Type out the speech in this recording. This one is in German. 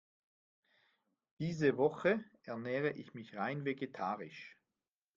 Diese Woche ernähre ich mich rein vegetarisch.